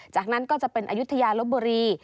จากนั้นก็จะเป็นอายุทยาลบบุรี